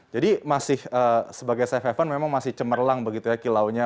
jadi masih sebagai safe haven memang masih cemerlang begitu ya kilaunya